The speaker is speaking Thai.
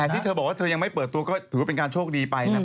แต่ที่เธอบอกว่าเธอยังไม่เปิดตัวก็ถือว่าเป็นการโชคดีไปนะ